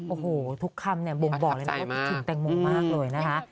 โอ้โหทุกคำบ่งบอกเลยถึงแตงโมงมากเลยนะคะ